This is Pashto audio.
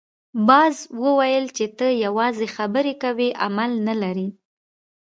باز وویل چې ته یوازې خبرې کوې عمل نه لرې.